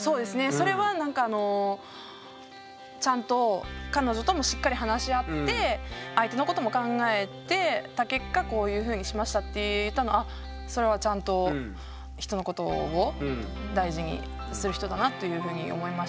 それはちゃんと彼女ともしっかり話し合って相手のことも考えた結果こういうふうにしましたって言ったのはそれはちゃんとだなというふうに思いましたし。